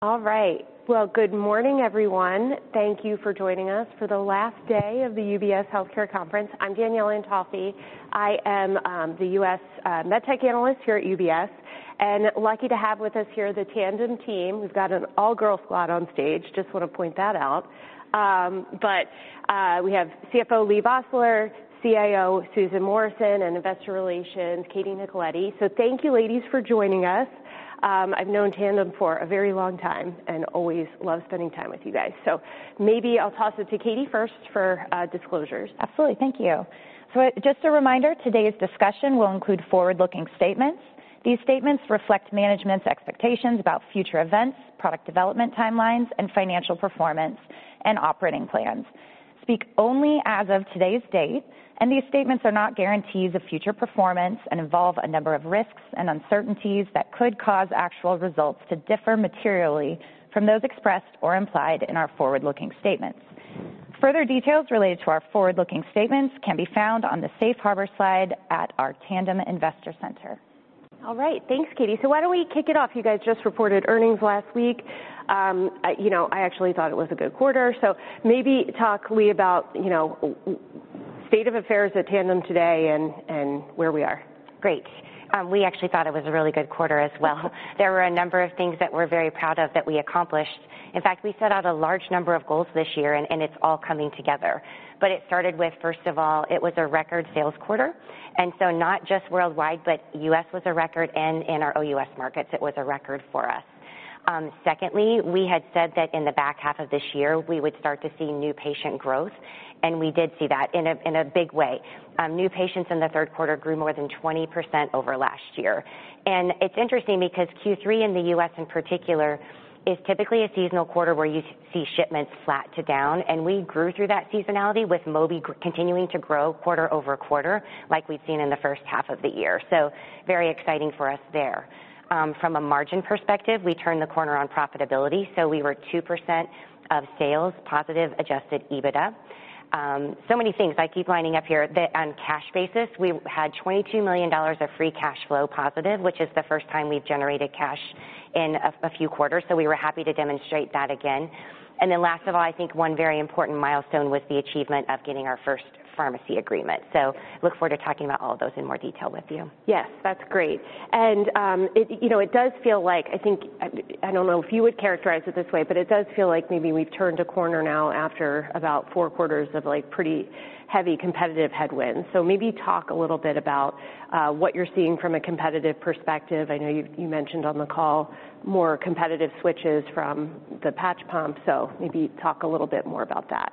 All right. Well, good morning, everyone. Thank you for joining us for the last day of the UBS Healthcare Conference. I'm Danielle Antalffy. I am the U.S. Med Tech Analyst here at UBS, and lucky to have with us here the Tandem team. We've got an all-girl squad on stage. Just want to point that out. But, we have CFO Leigh Vosseller, CIO Susan Morrison, and Investor Relations Katie Nicoletti. So thank you, ladies, for joining us. I've known Tandem for a very long time and always love spending time with you guys. So maybe I'll toss it to Katie first for disclosures. Absolutely. Thank you. So just a reminder, today's discussion will include forward-looking statements. These statements reflect management's expectations about future events, product development timelines, and financial performance and operating plans. These statements speak only as of today's date, and these statements are not guarantees of future performance and involve a number of risks and uncertainties that could cause actual results to differ materially from those expressed or implied in our forward-looking statements. Further details related to our forward-looking statements can be found on the Safe Harbor slide at our Tandem Investor Center. All right. Thanks, Katie. So why don't we kick it off? You guys just reported earnings last week. I, you know, I actually thought it was a good quarter. So maybe talk, Leigh, about, you know, state of affairs at Tandem today and where we are. Great. We actually thought it was a really good quarter as well. There were a number of things that we're very proud of that we accomplished. In fact, we set out a large number of goals this year, and it's all coming together. But it started with, first of all, it was a record sales quarter. And so not just worldwide, but U.S. was a record, and in our OUS markets, it was a record for us. Secondly, we had said that in the back half of this year, we would start to see new patient growth, and we did see that in a big way. New patients in the third quarter grew more than 20% over last year. It's interesting because Q3 in the US in particular is typically a seasonal quarter where you see shipments flat to down, and we grew through that seasonality with Mobi continuing to grow quarter-over-quarter like we've seen in the first half of the year. Very exciting for us there. From a margin perspective, we turned the corner on profitability. We were 2% of sales positive adjusted EBITDA. Many things lining up here. On cash basis, we had $22 million of free cash flow positive, which is the first time we've generated cash in a few quarters. We were happy to demonstrate that again. Last of all, I think one very important milestone was the achievement of getting our first pharmacy agreement. Look forward to talking about all of those in more detail with you. Yes, that's great. And it, you know, it does feel like, I think, I don't know if you would characterize it this way, but it does feel like maybe we've turned a corner now after about four quarters of, like, pretty heavy competitive headwinds. So maybe talk a little bit about what you're seeing from a competitive perspective. I know you mentioned on the call more competitive switches from the patch pump. So maybe talk a little bit more about that.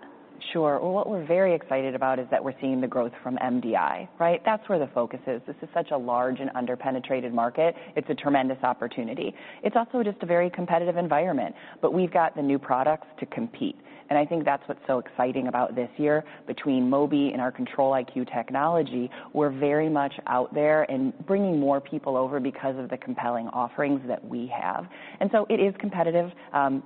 Sure. Well, what we're very excited about is that we're seeing the growth from MDI, right? That's where the focus is. This is such a large and under-penetrated market. It's a tremendous opportunity. It's also just a very competitive environment, but we've got the new products to compete. And I think that's what's so exciting about this year. Between Mobi and our Control-IQ technology, we're very much out there and bringing more people over because of the compelling offerings that we have. And so it is competitive,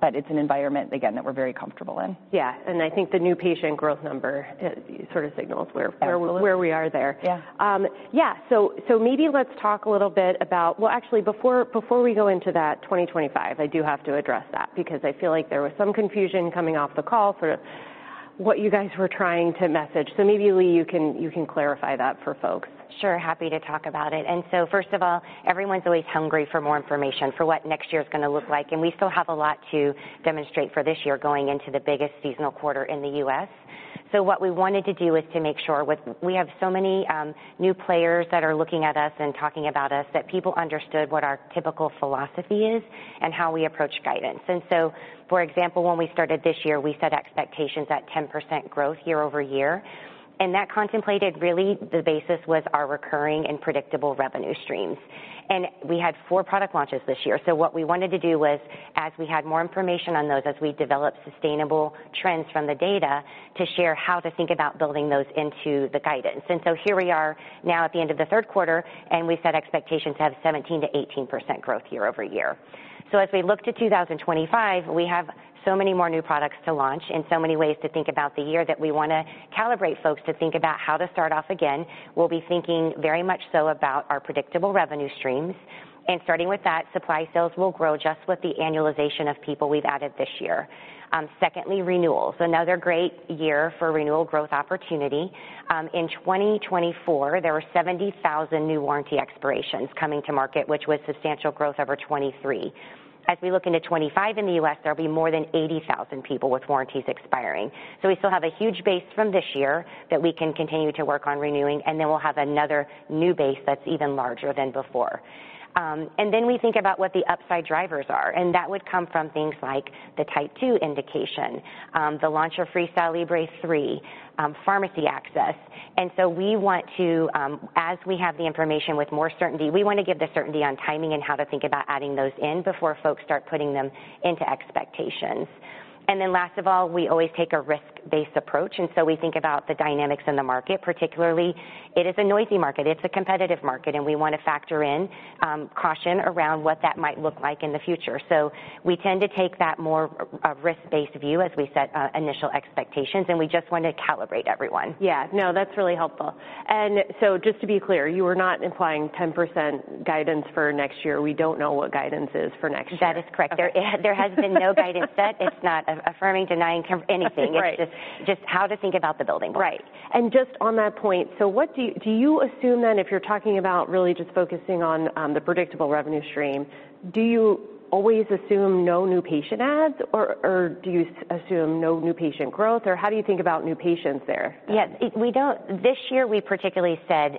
but it's an environment, again, that we're very comfortable in. Yeah, and I think the new patient growth number, it sort of signals where we are there. Yeah. Yeah. So maybe let's talk a little bit about, well, actually, before we go into that 2025, I do have to address that because I feel like there was some confusion coming off the call, sort of what you guys were trying to message. So maybe, Leigh, you can clarify that for folks. Sure. Happy to talk about it. And so first of all, everyone's always hungry for more information for what next year's gonna look like. And we still have a lot to demonstrate for this year going into the biggest seasonal quarter in the U.S. So what we wanted to do is to make sure with we have so many new players that are looking at us and talking about us that people understood what our typical philosophy is and how we approach guidance. And so, for example, when we started this year, we set expectations at 10% growth year over year. And that contemplated really the basis was our recurring and predictable revenue streams. And we had four product launches this year. So, what we wanted to do was, as we had more information on those, as we developed sustainable trends from the data, to share how to think about building those into the guidance. And so, here we are now at the end of the third quarter, and we set expectations to have 17%-18% growth year over year. So, as we look to 2025, we have so many more new products to launch, and so many ways to think about the year that we wanna calibrate folks to think about how to start off again. We'll be thinking very much so about our predictable revenue streams. And starting with that, supply sales will grow just with the annualization of people we've added this year. Secondly, renewals. Another great year for renewal growth opportunity. In 2024, there were 70,000 new warranty expirations coming to market, which was substantial growth over 2023. As we look into 2025 in the U.S., there'll be more than 80,000 people with warranties expiring. So we still have a huge base from this year that we can continue to work on renewing, and then we'll have another new base that's even larger than before, and then we think about what the upside drivers are, and that would come from things like the Type 2 indication, the launch of FreeStyle Libre 3, pharmacy access, and so we want to, as we have the information with more certainty, we wanna give the certainty on timing and how to think about adding those in before folks start putting them into expectations, and then last of all, we always take a risk-based approach, and so we think about the dynamics in the market, particularly. It is a noisy market. It's a competitive market, and we wanna factor in caution around what that might look like in the future. So we tend to take that more of a risk-based view as we set initial expectations, and we just wanna calibrate everyone. Yeah. No, that's really helpful. And so just to be clear, you are not implying 10% guidance for next year? We don't know what guidance is for next year. That is correct. There has been no guidance set. It's not affirming, denying, confirming anything. It's just how to think about the building blocks. Right. And just on that point, so what do you, do you assume then if you're talking about really just focusing on the predictable revenue stream, do you always assume no new patient adds or do you assume no new patient growth or how do you think about new patients there? Yes. We don't, this year we particularly said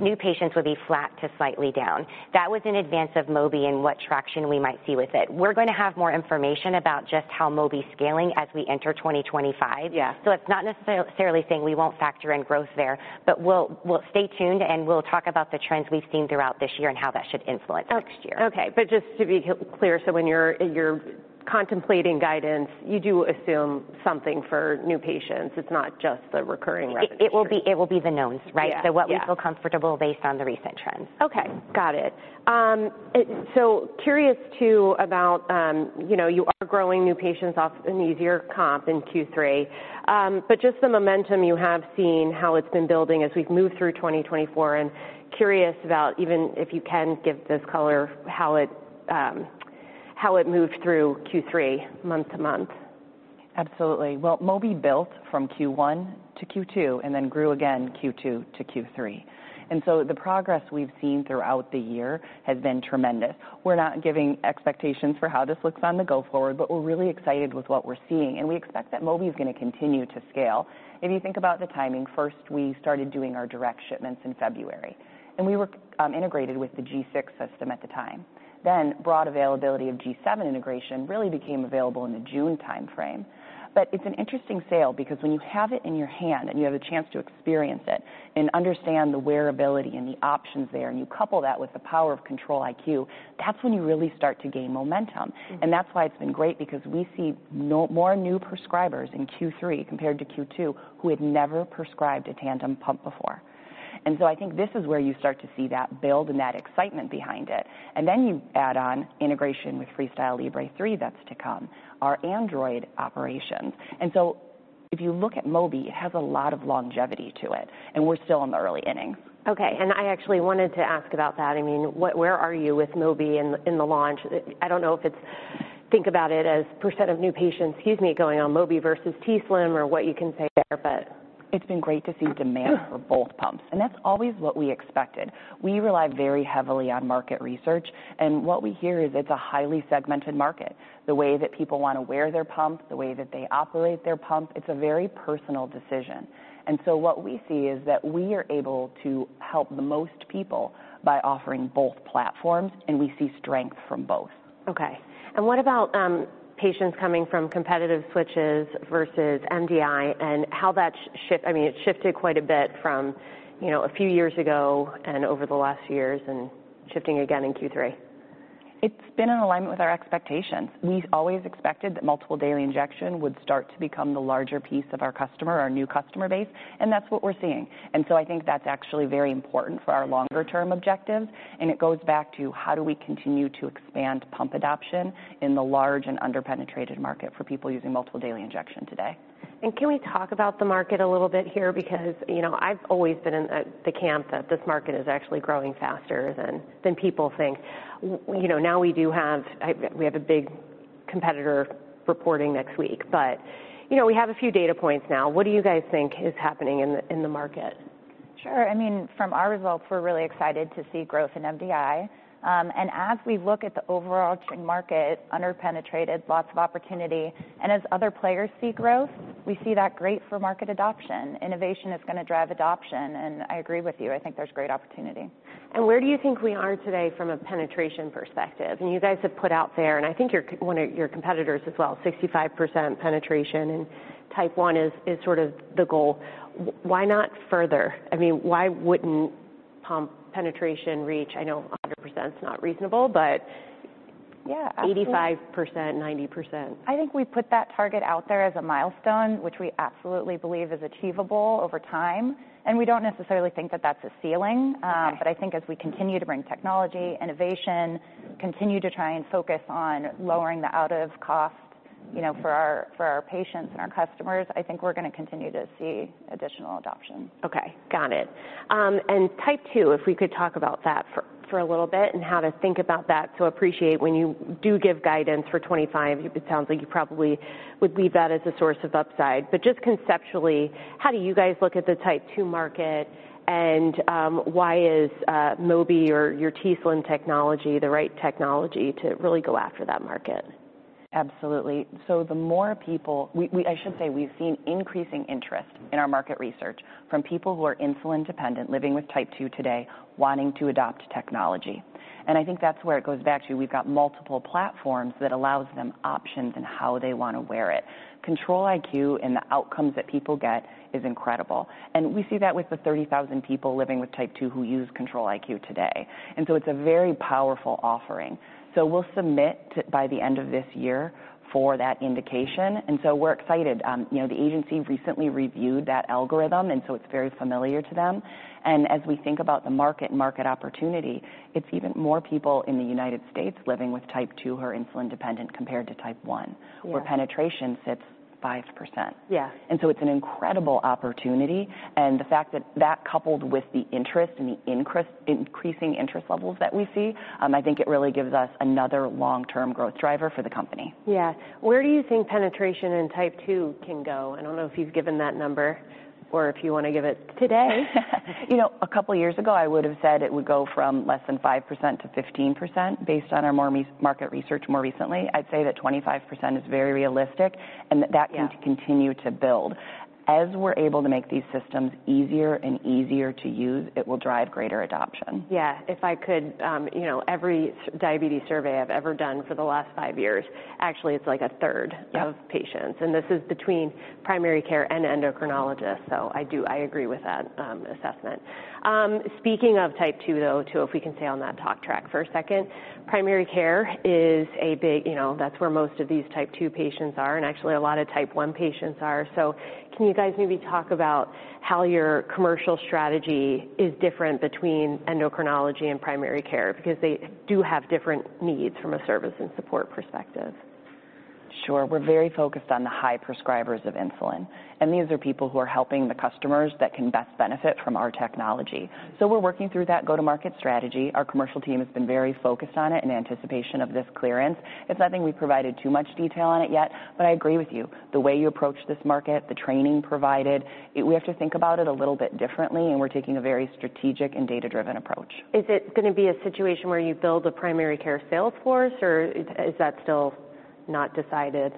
new patients would be flat to slightly down. That was in advance of Mobi and what traction we might see with it. We're gonna have more information about just how Mobi's scaling as we enter 2025. Yeah. So it's not necessarily saying we won't factor in growth there, but we'll stay tuned and we'll talk about the trends we've seen throughout this year and how that should influence next year. Okay. But just to be clear, so when you're, you're contemplating guidance, you do assume something for new patients. It's not just the recurring revenue. It will be the knowns, right? Yeah. So what we feel comfortable based on the recent trends. Okay. Got it. So curious, too, about, you know, you are growing new patients off an easier comp in Q3. But just the momentum you have seen how it's been building as we've moved through 2024, and curious about even if you can give this color how it moved through Q3 month to month. Absolutely. Mobi built from Q1-Q2 and then grew again Q2-Q3. So the progress we've seen throughout the year has been tremendous. We're not giving expectations for how this looks going forward, but we're really excited with what we're seeing. We expect that Mobi's gonna continue to scale. If you think about the timing, first we started doing our direct shipments in February, and we were integrated with the G6 system at the time. Then broad availability of G7 integration really became available in the June timeframe. But it's an interesting sell because when you have it in your hand and you have a chance to experience it and understand the wearability and the options there and you couple that with the power of Control-IQ, that's when you really start to gain momentum. And that's why it's been great because we see no more new prescribers in Q3 compared to Q2 who had never prescribed a Tandem pump before. And so I think this is where you start to see that build and that excitement behind it. And then you add on integration with FreeStyle Libre 3 that's to come, our Android operations. And so if you look at Mobi, it has a lot of longevity to it, and we're still in the early innings. Okay. And I actually wanted to ask about that. I mean, what, where are you with Mobi in the launch? I don't know, think about it as percent of new patients, excuse me, going on Mobi versus t:slim or what you can say there, but. It's been great to see demand for both pumps, and that's always what we expected. We rely very heavily on market research, and what we hear is it's a highly segmented market. The way that people wanna wear their pump, the way that they operate their pump, it's a very personal decision, and so what we see is that we are able to help the most people by offering both platforms, and we see strength from both. Okay. And what about patients coming from competitive switches versus MDI and how that shift, I mean, it shifted quite a bit from, you know, a few years ago and over the last years and shifting again in Q3? It's been in alignment with our expectations. We always expected that multiple daily injections would start to become the larger piece of our customer, our new customer base, and that's what we're seeing. And so I think that's actually very important for our longer-term objectives. And it goes back to how do we continue to expand pump adoption in the large and under-penetrated market for people using multiple daily injections today. Can we talk about the market a little bit here? Because, you know, I've always been in the camp that this market is actually growing faster than people think. You know, now we have a big competitor reporting next week, but, you know, we have a few data points now. What do you guys think is happening in the market? Sure. I mean, from our results, we're really excited to see growth in MDI. And as we look at the overarching market, under-penetrated, lots of opportunity. And as other players see growth, we see that great for market adoption. Innovation is gonna drive adoption. And I agree with you. I think there's great opportunity. Where do you think we are today from a penetration perspective? You guys have put out there, and I think you're one of your competitors as well, 65% penetration and Type 1 is sort of the goal. Why not further? I mean, why wouldn't pump penetration reach? I know 100%'s not reasonable, but yeah, 85%, 90%. I think we put that target out there as a milestone, which we absolutely believe is achievable over time. And we don't necessarily think that that's a ceiling. But I think as we continue to bring technology, innovation, continue to try and focus on lowering the out-of-pocket cost, you know, for our, for our patients and our customers, I think we're gonna continue to see additional adoption. Okay. Got it, and Type 2, if we could talk about that for a little bit and how to think about that. So appreciate when you do give guidance for 2025, it sounds like you probably would leave that as a source of upside. But just conceptually, how do you guys look at the Type 2 market and why is Mobi or your t:slim technology the right technology to really go after that market? Absolutely, so the more people, I should say we've seen increasing interest in our market research from people who are insulin-dependent, living with Type 2 today, wanting to adopt technology, and I think that's where it goes back to. We've got multiple platforms that allows them options and how they wanna wear it. Control-IQ and the outcomes that people get is incredible, and we see that with the 30,000 people living with Type 2 who use Control-IQ today, and so it's a very powerful offering, so we'll submit to by the end of this year for that indication, and so we're excited, you know, the agency recently reviewed that algorithm, and so it's very familiar to them, and as we think about the market and market opportunity, it's even more people in the United States living with Type 2 who are insulin-dependent compared to Type 1. Yeah. Where penetration sits 5%. Yeah. And so it's an incredible opportunity. And the fact that that coupled with the interest and the increasing interest levels that we see, I think it really gives us another long-term growth driver for the company. Yeah. Where do you think penetration in Type 2 can go? I don't know if you've given that number or if you wanna give it today. You know, a couple years ago, I would've said it would go from less than 5%-15% based on our more recent market research. I'd say that 25% is very realistic and that. Yeah. Need to continue to build. As we're able to make these systems easier and easier to use, it will drive greater adoption. Yeah. If I could, you know, every diabetes survey I've ever done for the last five years, actually it's like a third of patients. And this is between primary care and endocrinologists. So I do. I agree with that assessment. Speaking of Type 2 though, too, if we can stay on that talk track for a second, primary care is a big, you know, that's where most of these Type 2 patients are and actually a lot of Type 1 patients are. So can you guys maybe talk about how your commercial strategy is different between endocrinology and primary care because they do have different needs from a service and support perspective? Sure. We're very focused on the high prescribers of insulin, and these are people who are helping the customers that can best benefit from our technology. So we're working through that go-to-market strategy. Our commercial team has been very focused on it in anticipation of this clearance. It's nothing we've provided too much detail on it yet, but I agree with you. The way you approach this market, the training provided, we have to think about it a little bit differently, and we're taking a very strategic and data-driven approach. Is it gonna be a situation where you build a primary care sales force or is that still not decided?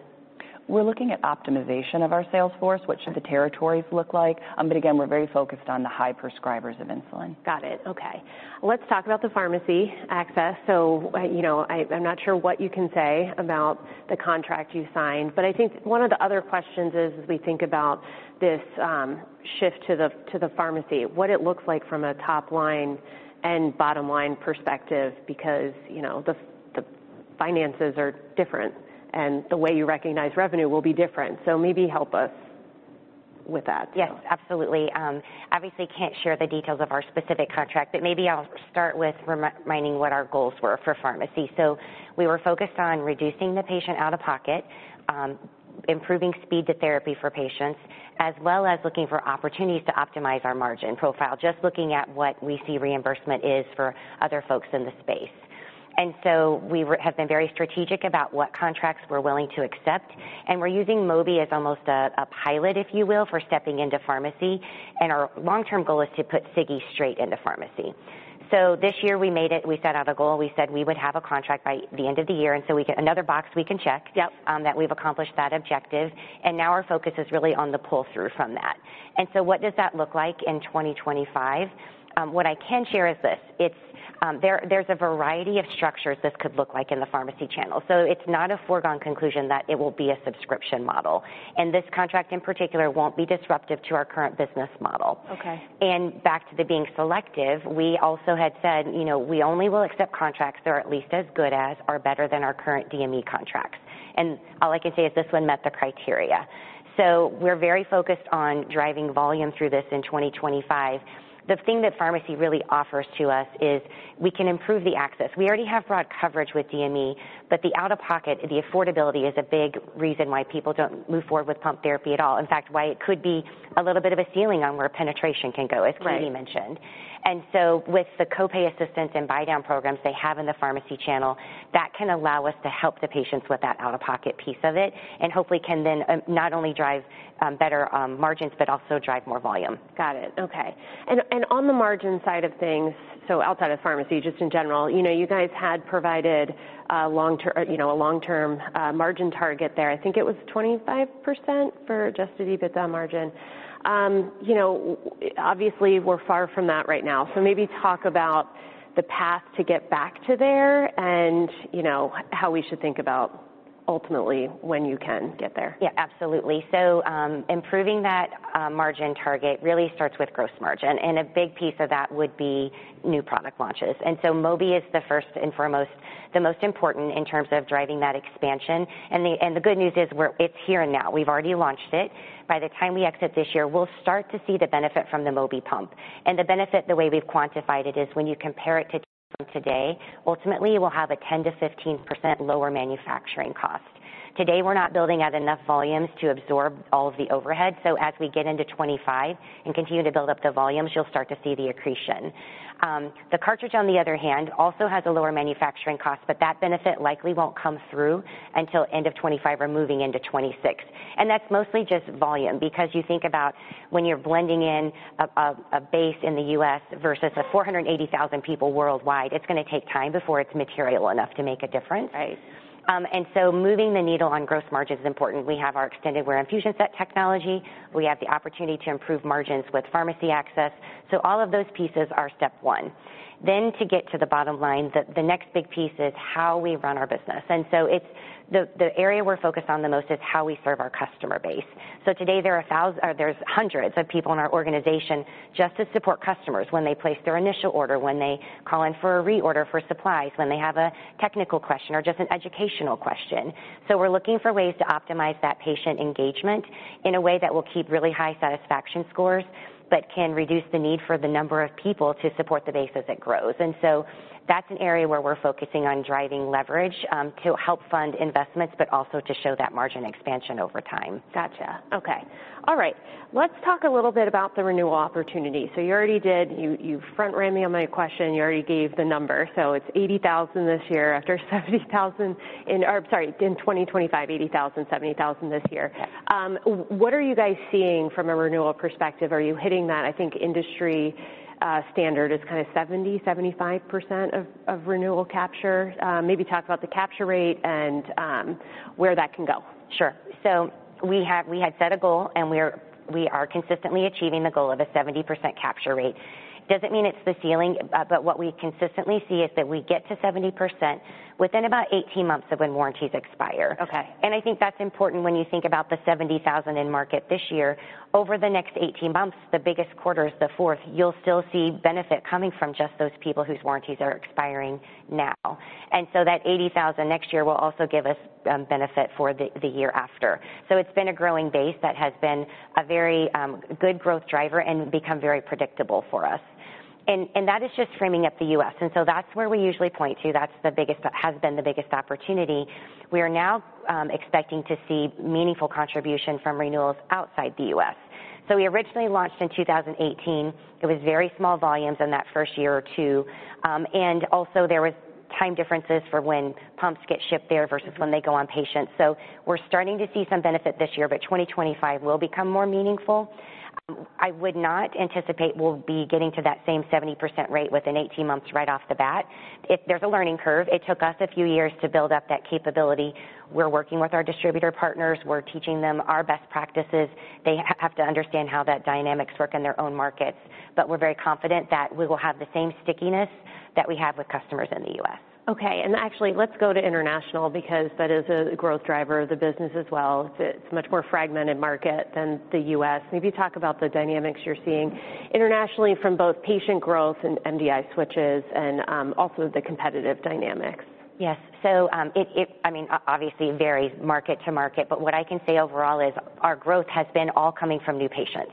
We're looking at optimization of our sales force, what should the territories look like? But again, we're very focused on the high prescribers of insulin. Got it. Okay. Let's talk about the pharmacy access. So, you know, I'm not sure what you can say about the contract you signed, but I think one of the other questions is as we think about this shift to the pharmacy, what it looks like from a top line and bottom line perspective because, you know, the finances are different and the way you recognize revenue will be different. So maybe help us with that. Yes, absolutely. Obviously can't share the details of our specific contract, but maybe I'll start with reminding what our goals were for pharmacy. So we were focused on reducing the patient out of pocket, improving speed to therapy for patients, as well as looking for opportunities to optimize our margin profile, just looking at what we see reimbursement is for other folks in the space. And so we have been very strategic about what contracts we're willing to accept. And we're using Mobi as almost a, a pilot, if you will, for stepping into pharmacy. And our long-term goal is to put Sigi straight into pharmacy. So this year we made it, we set out a goal. We said we would have a contract by the end of the year, and so we get another box we can check. Yep. that we've accomplished that objective. And now our focus is really on the pull-through from that. And so what does that look like in 2025? What I can share is this: It's, there's a variety of structures this could look like in the pharmacy channel. So it's not a foregone conclusion that it will be a subscription model. And this contract in particular won't be disruptive to our current business model. Okay. And back to being selective, we also had said, you know, we only will accept contracts that are at least as good as or better than our current DME contracts. And all I can say is this one met the criteria. So we're very focused on driving volume through this in 2025. The thing that pharmacy really offers to us is we can improve the access. We already have broad coverage with DME, but the out-of-pocket, the affordability is a big reason why people don't move forward with pump therapy at all. In fact, why it could be a little bit of a ceiling on where penetration can go, as. Right. Dani mentioned, and so with the copay assistance and buy-down programs they have in the pharmacy channel, that can allow us to help the patients with that out-of-pocket piece of it and hopefully can then not only drive better margins but also drive more volume. Got it. Okay. And on the margin side of things, so outside of pharmacy, just in general, you know, you guys had provided a long-term margin target there. I think it was 25% for adjusted EBITDA margin. You know, obviously we're far from that right now. So maybe talk about the path to get back to there and, you know, how we should think about ultimately when you can get there. Yeah, absolutely. So, improving that margin target really starts with gross margin. And a big piece of that would be new product launches. And so Mobi is the first and foremost, the most important in terms of driving that expansion. And the good news is we're, it's here and now. We've already launched it. By the time we exit this year, we'll start to see the benefit from the Mobi pump. And the benefit, the way we've quantified it, is when you compare it to today, ultimately we'll have a 10%-15% lower manufacturing cost. Today, we're not building out enough volumes to absorb all of the overhead. So as we get into 2025 and continue to build up the volumes, you'll start to see the accretion. The cartridge, on the other hand, also has a lower manufacturing cost, but that benefit likely won't come through until end of 2025 or moving into 2026, and that's mostly just volume because you think about when you're blending in a base in the U.S. versus 480,000 people worldwide, it's gonna take time before it's material enough to make a difference. Right. And so moving the needle on gross margins is important. We have our extended wear infusion set technology. We have the opportunity to improve margins with pharmacy access. So all of those pieces are step one. Then to get to the bottom line, the next big piece is how we run our business. And so it's the area we're focused on the most is how we serve our customer base. So today there are thousands, or there's hundreds of people in our organization just to support customers when they place their initial order, when they call in for a reorder for supplies, when they have a technical question or just an educational question. So, we're looking for ways to optimize that patient engagement in a way that will keep really high satisfaction scores, but can reduce the need for the number of people to support the base that grows. And so, that's an area where we're focusing on driving leverage to help fund investments, but also to show that margin expansion over time. Gotcha. Okay. All right. Let's talk a little bit about the renewal opportunity. So you already did. You front-ran me on my question. You already gave the number. So it's 80,000 this year after 70,000 in, or sorry, in 2025, 80,000, 70,000 this year. Yes. What are you guys seeing from a renewal perspective? Are you hitting that? I think industry standard is kind of 70%-75% of renewal capture. Maybe talk about the capture rate and where that can go. Sure. So we have, we had set a goal and we are, we are consistently achieving the goal of a 70% capture rate. Doesn't mean it's the ceiling, but what we consistently see is that we get to 70% within about 18 months of when warranties expire. Okay. I think that's important when you think about the 70,000 in market this year. Over the next 18 months, the biggest quarter is the fourth. You'll still see benefit coming from just those people whose warranties are expiring now. That 80,000 next year will also give us benefit for the year after. It's been a growing base that has been a very good growth driver and become very predictable for us. That is just framing up the U.S. That's where we usually point to. That's the biggest, has been the biggest opportunity. We are now expecting to see meaningful contribution from renewals outside the U.S. We originally launched in 2018. It was very small volumes in that first year or two. And also there was time differences for when pumps get shipped there versus when they go on patients. So we're starting to see some benefit this year, but 2025 will become more meaningful. I would not anticipate we'll be getting to that same 70% rate within 18 months right off the bat. If there's a learning curve, it took us a few years to build up that capability. We're working with our distributor partners. We're teaching them our best practices. They have to understand how that dynamics work in their own markets. But we're very confident that we will have the same stickiness that we have with customers in the U.S. Okay. And actually, let's go to international because that is a growth driver of the business as well. It's a much more fragmented market than the U.S. Maybe talk about the dynamics you're seeing internationally from both patient growth and MDI switches and, also the competitive dynamics. Yes. So, I mean, obviously varies market to market, but what I can say overall is our growth has been all coming from new patients,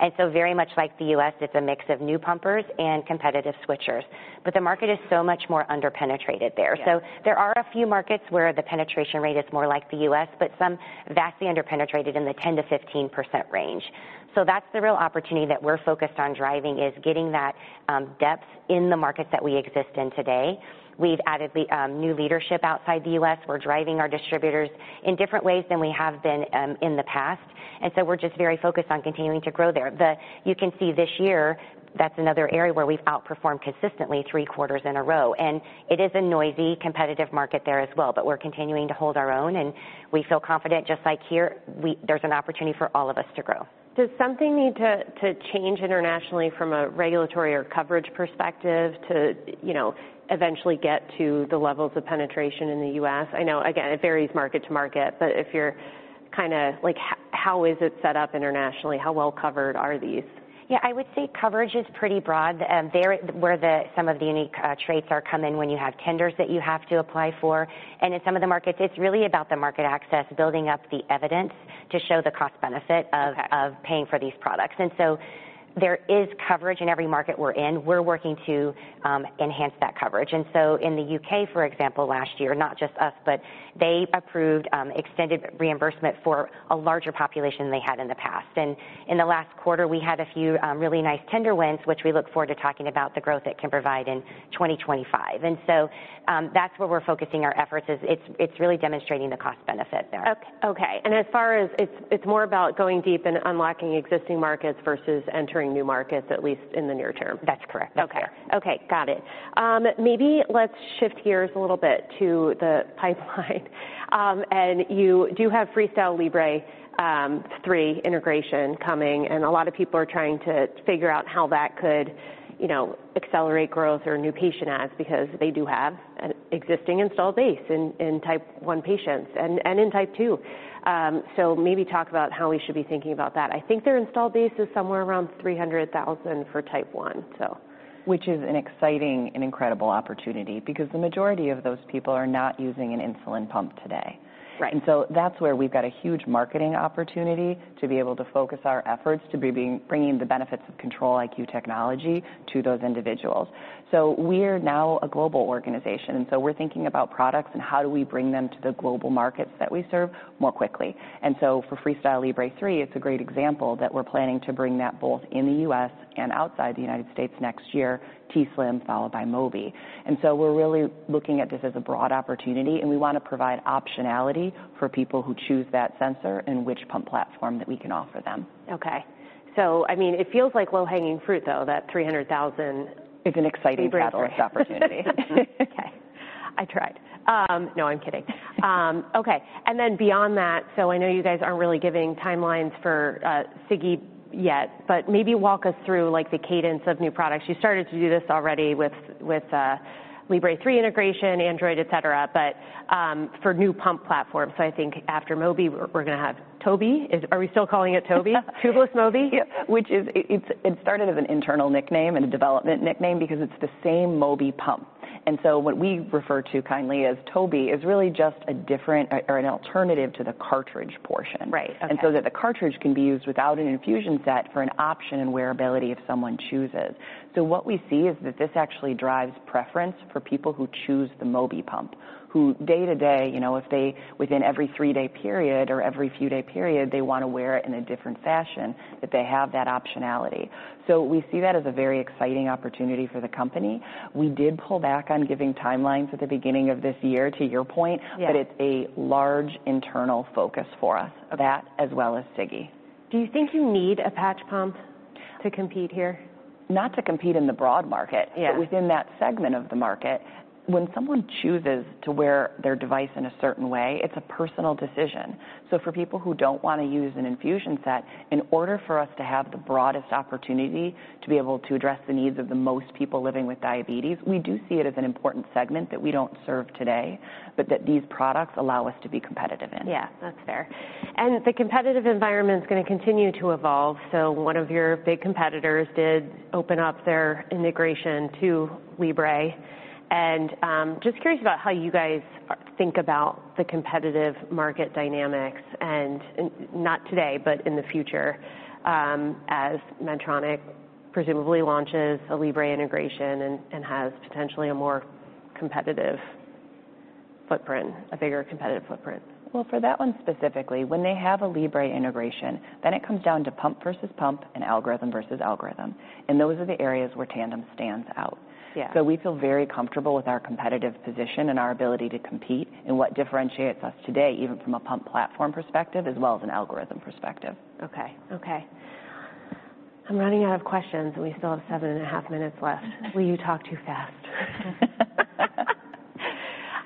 and so very much like the U.S., it's a mix of new pumpers and competitive switchers, but the market is so much more under-penetrated there. Yeah. So there are a few markets where the penetration rate is more like the U.S., but some vastly under-penetrated in the 10%-15% range. So that's the real opportunity that we're focused on driving is getting that depth in the markets that we exist in today. We've added the new leadership outside the U.S. We're driving our distributors in different ways than we have been in the past. And so we're just very focused on continuing to grow there. Then you can see this year, that's another area where we've outperformed consistently three quarters in a row. And it is a noisy competitive market there as well, but we're continuing to hold our own. And we feel confident just like here, we there's an opportunity for all of us to grow. Does something need to change internationally from a regulatory or coverage perspective to, you know, eventually get to the levels of penetration in the U.S.? I know, again, it varies market to market, but if you're kind of like, how is it set up internationally? How well covered are these? Yeah, I would say coverage is pretty broad. There, where some of the unique traits come in when you have tenders that you have to apply for. And in some of the markets, it's really about the market access, building up the evidence to show the cost benefit of. Okay. Of paying for these products. And so there is coverage in every market we're in. We're working to enhance that coverage. And so in the U.K., for example, last year, not just us, but they approved extended reimbursement for a larger population than they had in the past. And in the last quarter, we had a few really nice tender wins, which we look forward to talking about the growth it can provide in 2025. And so, that's where we're focusing our efforts is. It's really demonstrating the cost benefit there. Okay. And as far as it's more about going deep and unlocking existing markets versus entering new markets, at least in the near term. That's correct. Okay. That's fair. Okay. Got it. Maybe let's shift gears a little bit to the pipeline, and you do have FreeStyle Libre 3 integration coming. And a lot of people are trying to figure out how that could, you know, accelerate growth or new patient adds because they do have an existing installed base in Type 1 patients and in Type 2. So maybe talk about how we should be thinking about that. I think their installed base is somewhere around 300,000 for Type 1, so. Which is an exciting and incredible opportunity because the majority of those people are not using an insulin pump today. Right. And so that's where we've got a huge marketing opportunity to be able to focus our efforts to be bringing the benefits of Control-IQ technology to those individuals. So we are now a global organization. And so we're thinking about products and how do we bring them to the global markets that we serve more quickly. And so for FreeStyle Libre 3, it's a great example that we're planning to bring that both in the U.S. and outside the United States next year, t:slim, followed by Mobi. And so we're really looking at this as a broad opportunity and we wanna provide optionality for people who choose that sensor and which pump platform that we can offer them. Okay. So, I mean, it feels like low-hanging fruit though, that 300,000. It's an exciting battle for us. Opportunity. Okay. I tried. No, I'm kidding. Okay. And then beyond that, so I know you guys aren't really giving timelines for Sigi yet, but maybe walk us through like the cadence of new products. You started to do this already with the Libre 3 integration, Android, et cetera, but for new pump platforms. So I think after Mobi, we're gonna have Tobi. Is we still calling it Tobi? Tubeless Mobi? Yeah. Which is, it started as an internal nickname and a development nickname because it's the same Mobi pump. And so what we refer to kindly as Tobi is really just a different or an alternative to the cartridge portion. Right. Okay. And so that the cartridge can be used without an infusion set for an option and wearability if someone chooses. So what we see is that this actually drives preference for people who choose the Mobi pump, who day to day, you know, if they within every three-day period or every few-day period, they wanna wear it in a different fashion, that they have that optionality. So we see that as a very exciting opportunity for the company. We did pull back on giving timelines at the beginning of this year to your point. Yeah. But it's a large internal focus for us. Okay. That as well as Sigi. Do you think you need a patch pump to compete here? Not to compete in the broad market. Yeah. But within that segment of the market, when someone chooses to wear their device in a certain way, it's a personal decision. So for people who don't wanna use an infusion set, in order for us to have the broadest opportunity to be able to address the needs of the most people living with diabetes, we do see it as an important segment that we don't serve today, but that these products allow us to be competitive in. Yeah, that's fair. The competitive environment's gonna continue to evolve. So one of your big competitors did open up their integration to Libre. And just curious about how you guys think about the competitive market dynamics and not today, but in the future, as Medtronic presumably launches a Libre integration and has potentially a more competitive footprint, a bigger competitive footprint. For that one specifically, when they have a Libre integration, then it comes down to pump versus pump and algorithm versus algorithm. And those are the areas where Tandem stands out. Yeah. We feel very comfortable with our competitive position and our ability to compete and what differentiates us today, even from a pump platform perspective as well as an algorithm perspective. Okay. Okay. I'm running out of questions and we still have seven and a half minutes left. Will you talk too fast?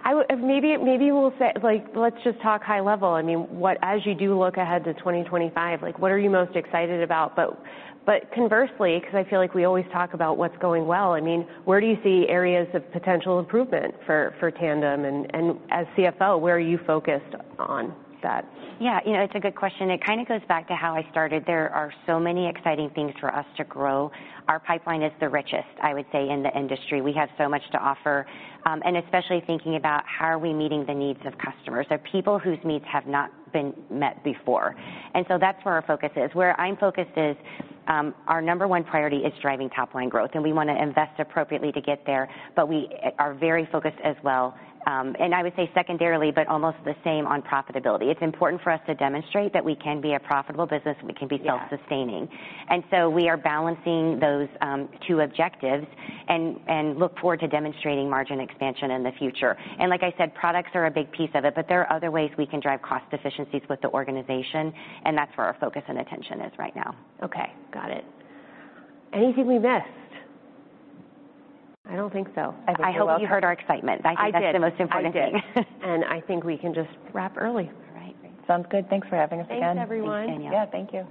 I will, maybe we'll say like, let's just talk high level. I mean, what, as you do look ahead to 2025, like what are you most excited about? But conversely, 'cause I feel like we always talk about what's going well. I mean, where do you see areas of potential improvement for Tandem? And as CFO, where are you focused on that? Yeah, you know, it's a good question. It kind of goes back to how I started. There are so many exciting things for us to grow. Our pipeline is the richest, I would say, in the industry. We have so much to offer, and especially thinking about how are we meeting the needs of customers? There are people whose needs have not been met before. And so that's where our focus is. Where I'm focused is, our number one priority is driving top-line growth. And we wanna invest appropriately to get there, but we are very focused as well, and I would say secondarily, but almost the same on profitability. It's important for us to demonstrate that we can be a profitable business. We can be self-sustaining. Yeah. And so we are balancing those two objectives and look forward to demonstrating margin expansion in the future. And like I said, products are a big piece of it, but there are other ways we can drive cost efficiencies with the organization. And that's where our focus and attention is right now. Okay. Got it. Anything we missed? I don't think so. I hope you heard our excitement. I did. I think that's the most important thing. I did. I think we can just wrap early. All right. Great. Sounds good. Thanks for having us again. Thanks, everyone. Thanks, Danielle. Yeah. Thank you.